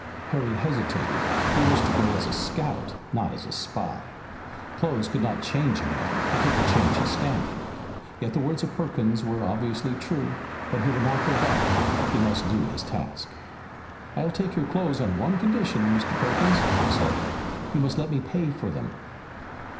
Harry hesitated. He wished to go as a scout, and not as a spy. Clothes could not change a man, but they could change his standing. Yet the words of Perkins were obviously true. But he would not go back. He must do his task. "I'll take your clothes on one condition, Mr. Perkins," he said, "you must let me pay for them."